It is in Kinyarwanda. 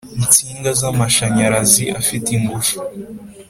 nsinga z amashanyarazi afite ingufu